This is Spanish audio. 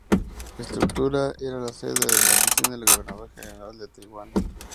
La estructura era la sede de la Oficina del Gobernador General de Taiwán.